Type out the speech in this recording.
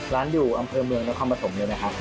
ร้านอยู่อำเภาเหมืองและความประถมไนยังไหมครับ